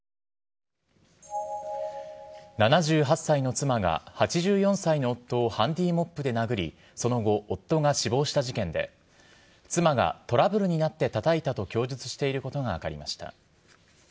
７８歳の妻が８４歳の夫をハンディモップで殴りその後、夫が死亡した事件で妻がトラブルになってたたいたと供述していることが分かりました。